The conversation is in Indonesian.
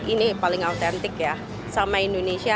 ini adalah makanan yang paling berasal dari indonesia